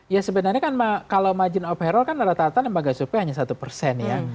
ya sebenarnya kan kalau margin of error kan rata rata lembaga survei hanya satu persen ya